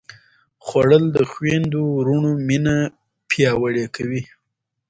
خوړل د خویندو وروڼو مینه پیاوړې کوي